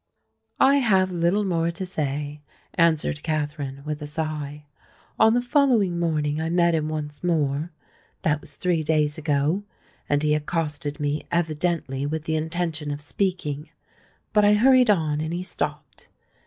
"I have little more to say," answered Katherine, with a sigh. "On the following morning I met him once more—that was three days ago; and he accosted me evidently with the intention of speaking. But I hurried on; and he stopped.